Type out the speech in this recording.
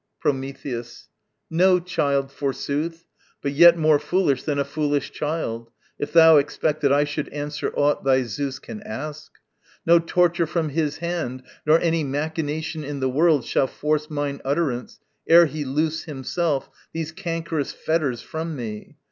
Prometheus. No child, forsooth, But yet more foolish than a foolish child, If thou expect that I should answer aught Thy Zeus can ask. No torture from his hand Nor any machination in the world Shall force mine utterance ere he loose, himself, These cankerous fetters from me.